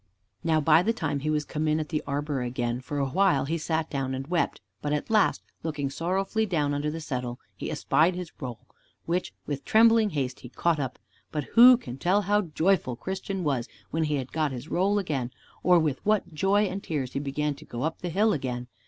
Now, by the time he was come to the arbor again, for a while he sat down and wept, but, at last, looking sorrowfully down under the settle, he espied his roll, which with trembling haste he caught up. But who can tell how joyful Christian was when he had got his roll again, or with what joy and tears he began to go up the hill again.